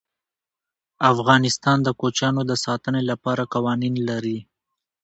افغانستان د کوچیانو د ساتنې لپاره قوانین لري.